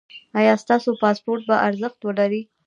ایا ستاسو پاسپورت به ارزښت ولري؟